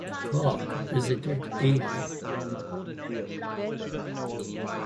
Clark visited Ede.